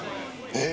えっ！